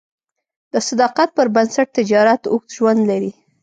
د صداقت پر بنسټ تجارت اوږد ژوند لري.